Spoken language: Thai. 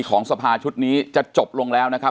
ของสภาชุดนี้จะจบลงแล้วนะครับ